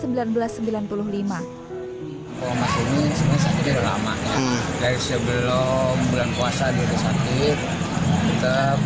penyakitnya penyakit paru paru